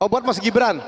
buat mas gibran